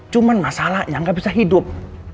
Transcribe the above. cuman masalahnya gak bisa hidup